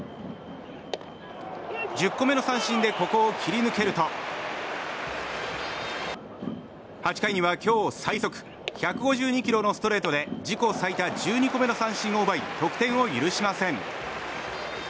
１０個目の三振でここを切り抜けると８回には今日最速１５２キロのストレートで自己最多１２個目の三振を奪い得点を許しません。